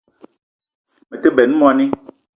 Me te benn moni